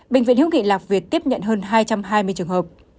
bệnh viện hữu nghị lạc việt tiếp nhận hơn hai trăm hai mươi trường hợp